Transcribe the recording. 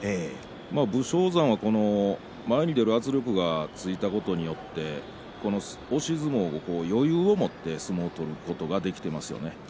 武将山が前に出る圧力がついたことによって押し相撲を余裕を持って取ることができていますよね。